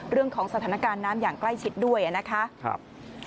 เรื่องของสถานการณ์น้ำอย่างใกล้ชิดด้วยนะคะ